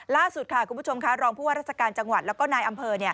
ล่าสุดค่ะคุณผู้ชมค่ะรองผู้ว่าราชการจังหวัดแล้วก็นายอำเภอ